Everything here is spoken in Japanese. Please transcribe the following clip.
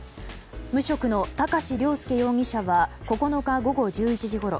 無職の高師良介容疑者は９日午後１１時ごろ